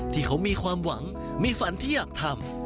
ที่เขามีความหวังมีฝันที่อยากทำ